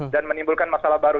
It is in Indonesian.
dan menimbulkan masalah baru